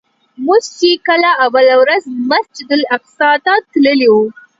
موږ چې کله اوله ورځ مسجدالاقصی ته تللي وو.